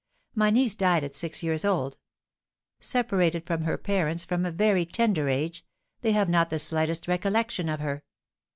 My niece died at six years old. Separated from her parents from a very tender age, they have not the slightest recollection of her.